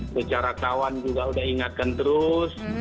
secara kawan juga sudah ingatkan terus